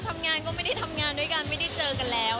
ทำงานก็ไม่ได้ทำงานด้วยกันไม่ได้เจอกันแล้ว